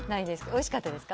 おいしかったですか？